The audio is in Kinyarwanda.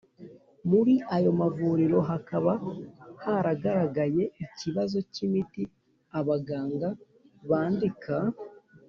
Muri ayo mavuriro hakaba haragaragaye ikibazo cy imiti abaganga bandika